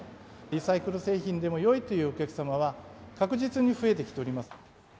リサイクル製品でもよいというお客様は、確実に増えてきておりま